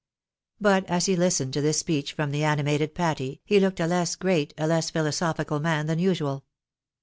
But as he listened to this speech from the animated Patty, lie looked a less great, a less philosophical man than usual.